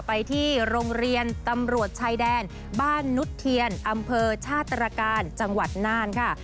ไปที่โรงเรียนตำรวจชายแดนบ้านนุษเทียนอำเภอชาติตรการจังหวัดน่านค่ะ